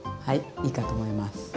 はいいいかと思います。